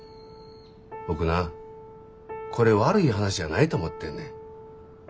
僕なこれ悪い話やないと思ってんねん。